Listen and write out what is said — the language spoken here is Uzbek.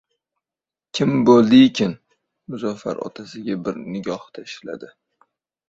«Kim bo‘ldiykin?» Muzaffar otasiga bir nigoh tashladi